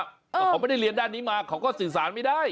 เพราะเขาไม่ได้เรียนด้านนี้มาเขาก็สื่อสารไม่ได้